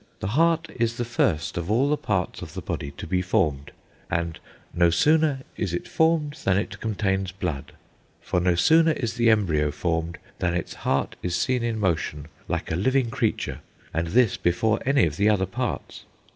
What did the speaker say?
The heart is the first of all the parts of the body to be formed, and no sooner is it formed than it contains blood.... For no sooner is the embryo formed than its heart is seen in motion like a living creature, and this before any of the other parts.